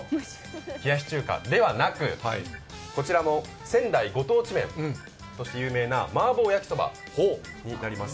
冷やし中華ではなくこちら仙台ご当地麺として有名なマーボー焼きそばになります。